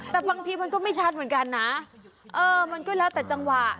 แต่บางทีมันก็ไม่ชัดเหมือนกันนะเออมันก็แล้วแต่จังหวะ